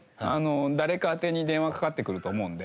誰か宛てに電話かかってくると思うんで。